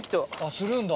するんだ。